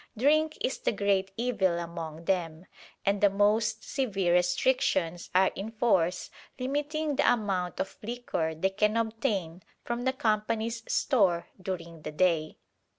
Drink is the great evil among them, and the most severe restrictions are in force limiting the amount of liquor they can obtain from the Company's store during the day.